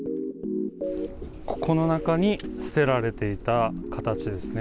ここの中に捨てられていた形ですね。